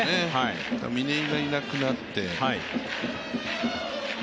嶺井がいなくなって。